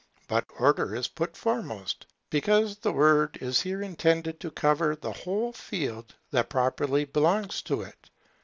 But Order is put foremost, because the word is here intended to cover the whole field that properly belongs to it.